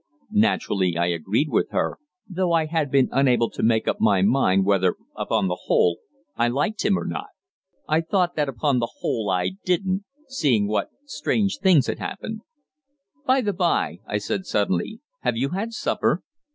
Naturally I agreed with her, though I had been unable to make up my mind whether, upon the whole, I liked him or not. I thought that upon the whole I didn't, seeing what strange things had happened. "By the by," I said suddenly, "have you had supper?"